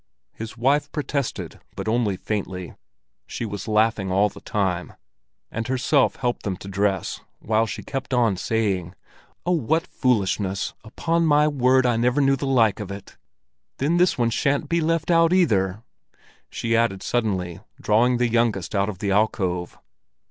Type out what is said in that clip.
His wife protested, but only faintly; she was laughing all the time, and herself helped them to dress, while she kept on saying: "Oh, what foolishness! Upon my word, I never knew the like of it! Then this one shan't be left out either!" she added suddenly, drawing the youngest out of the alcove.